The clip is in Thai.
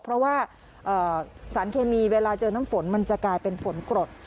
เพราะว่าสารเคมีเวลาเจอน้ำฝนมันจะกลายเป็นฝนกรด